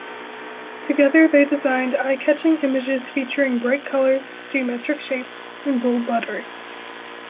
Together they designed eye-catching images featuring bright colours, geometric shapes, and bold lettering.